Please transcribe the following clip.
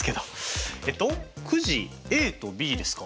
えっとくじＡとＢですか？